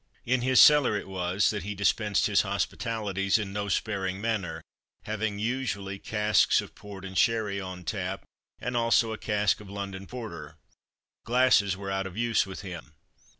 In his cellar it was that he dispensed his hospitalities, in no sparing manner, having usually casks of port and sherry on tap, and also a cask of London porter. Glasses were out of use with him.